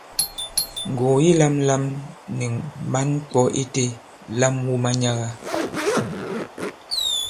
Ngùgù yi lāmlām ni mǎŋ ŋkwɔ̌ itē, lam wu manyaga!